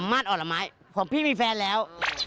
ส่วมมาดเหาะหละไม้ครับของพี่มีแฟนแล้ว